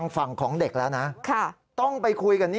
ปวดไส้เลื่อน